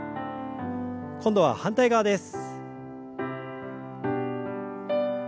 今度は反対側です。